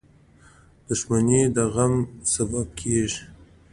• دښمني د غم سبب کېږي.